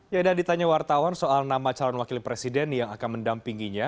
ya dan ditanya wartawan soal nama calon wakil presiden yang akan mendampinginya